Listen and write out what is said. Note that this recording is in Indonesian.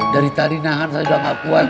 dari tadi nahan saya udah nggak puas